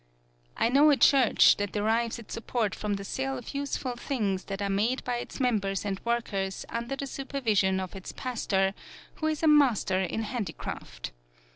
I know a church that derives its support from the sale of useful things that are made by its members and workers under the supervision of its pastor, who is a master in handicraft.